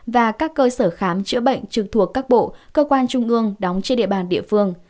và các cơ sở khám chữa bệnh trực thuộc các bộ cơ quan trung ương đóng trên địa bàn địa phương